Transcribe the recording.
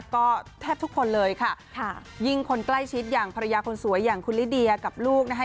ก็แทบทุกคนเลยค่ะยิ่งคนใกล้ชิดอย่างภรรยาคนสวยอย่างคุณลิเดียกับลูกนะคะ